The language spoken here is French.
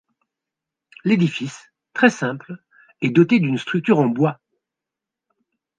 L'édifice, très simple, est doté d'une structure en bois.